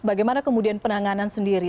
bagaimana kemudian penanganan sendiri